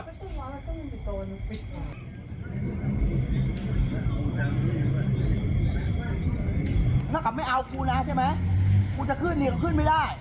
ถ้าตรงนี้มันไม่ไล่เนี่ยก็ขึ้นไม่ได้